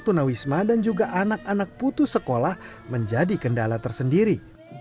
tunawisma dan juga anak anak putus sekolah menjadi kendala tersendiri